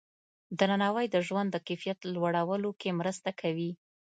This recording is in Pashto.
درناوی د ژوند د کیفیت لوړولو کې مرسته کوي.